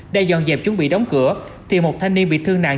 đã dọn dẹp chuẩn bị đóng cửa thì một thanh niên bị thương nạn